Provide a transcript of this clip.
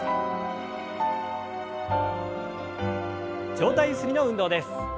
上体ゆすりの運動です。